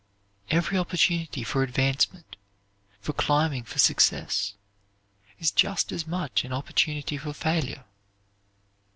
_" Every opportunity for advancement, for climbing for success, is just as much an opportunity for failure.